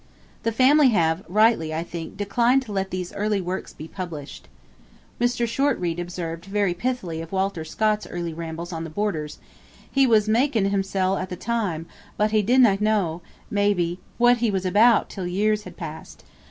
The family have, rightly, I think, declined to let these early works be published. Mr. Shortreed observed very pithily of Walter Scott's early rambles on the borders, 'He was makin' himsell a' the time; but he didna ken, may be, what he was about till years had passed.